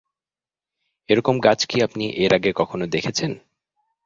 এ-রকম গাছ কি আপনি এর আগে কখনো দেখেছেন?